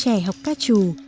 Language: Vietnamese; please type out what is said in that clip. trẻ học ca trù